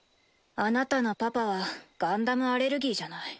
あなたのパパはガンダムアレルギーじゃない。